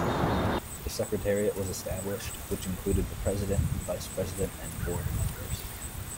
A secretariat was established which included the president, vice president and board members.